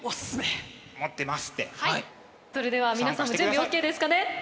それでは皆さん準備ＯＫですかね？